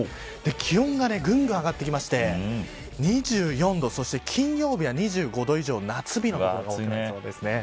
気温が、ぐんぐん上がってきて２４度、そして金曜日は２５度以上夏日の所が多くなりそうです。